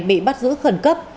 bị bắt giữ khẩn cấp